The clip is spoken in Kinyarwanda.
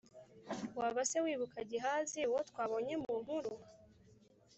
Waba se wibuka Gehazi uwo twabonye mu nkuru